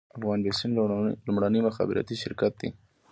افغان بیسیم لومړنی مخابراتي شرکت دی